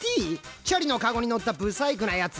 チャリの籠に乗った不細工なやつ？